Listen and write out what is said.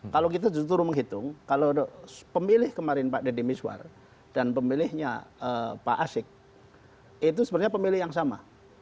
kalau kita justru menghitung kalau pemilih kemarin pak deddy miswar dan pemilihnya pak asyik itu sebenarnya pemilih yang sama